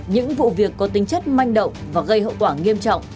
những vụ việc có tính chất manh động và gây hậu quả nghiêm trọng